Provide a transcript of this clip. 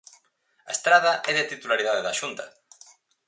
A estrada é de titularidade da Xunta.